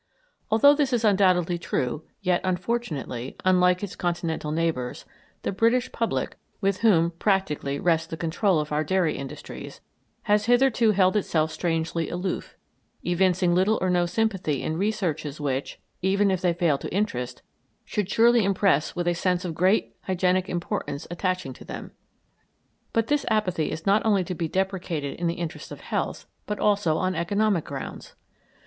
Although this is undoubtedly true, yet, unfortunately, unlike its continental neighbours, the British public, with whom practically rests the control of our dairy industries, has hitherto held itself strangely aloof, evincing little or no sympathy in researches which, even if they fail to interest, should surely impress with a sense of the great hygienic importance attaching to them. But this apathy is not only to be deprecated in the interests of health, but also on economic grounds.